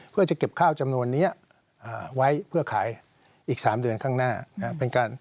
เพื่อจะเก็บข้าวจำนวนนี้ไว้เพื่อขายอีก๓เดือนข้างหน้า